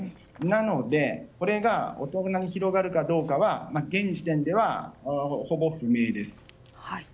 なので、これが大人に広がるかどうかは現時点では、ほぼ不明です。